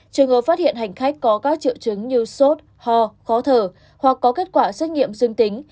trường hợp phát hiện hành khách có các triệu chứng như sốt ho khó thở hoặc có kết quả xét nghiệm dương tính